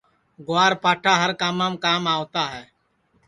گُوار پاٹھا ہر کامام کام آوتا ہے